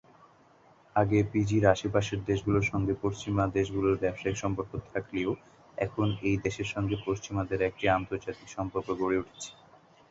আগে ফিজির আশপাশের দেশগুলোর সঙ্গে পশ্চিমা দেশগুলোর ব্যবসায়িক সম্পর্ক থাকলেও এখন এই দেশের সঙ্গে পশ্চিমাদের একটা আন্তর্জাতিক সম্পর্ক গড়ে উঠেছে।